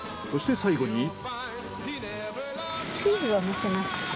そして最後に。